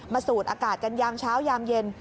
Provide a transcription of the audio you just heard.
สูดอากาศกันยามเช้ายามเย็น